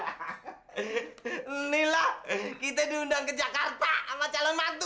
hahaha inilah kita diundang ke jakarta sama calon matu